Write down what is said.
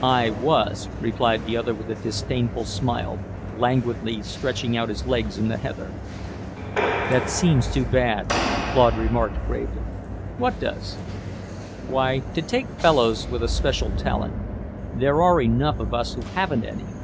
"I was," replied the other with a disdainful smile, languidly stretching out his legs in the heather. "That seems too bad," Claude remarked gravely. "What does?" "Why, to take fellows with a special talent. There are enough of us who haven't any."